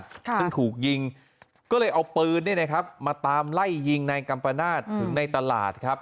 ซึ่งถูกยิงก็เลยเอาปืนมาตามไล่ยิงในกัมปนาศถึงในตลาดครับ